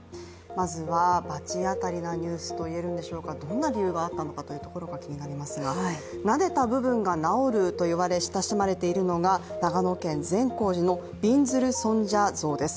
まずはばち当たりなニュースと言えるんでしょうか、どんな理由があったかというところが気になりますがなでた部分が治ると言われ親しまれているのが長野県善光寺のびんずる尊者像です。